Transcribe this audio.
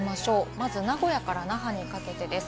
まず名古屋から那覇にかけてです。